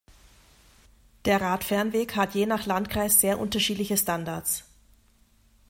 Der Radfernweg hat je nach Landkreis sehr unterschiedliche Standards.